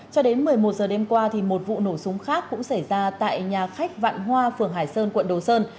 cho đến một mươi một giờ đêm qua một vụ nổ súng khác cũng xảy ra tại nhà khách vạn hoa phường hải sơn quận đồ sơn